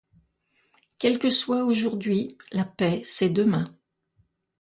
Quel que soit aujourd'hui, la paix, c'est Demain.